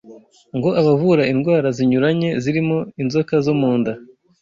ngo abavura indwara zinyuranye zirimo inzoka zo mu nda